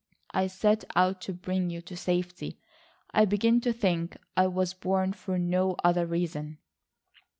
I set out to bring you to safety. I begin to think I was born for no other reason."